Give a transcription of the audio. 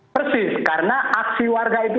persis karena aksi warga itu